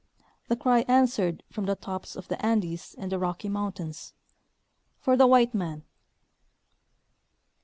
the cry answered from the tops of the Andes and the Rocky mountains, " For the White Man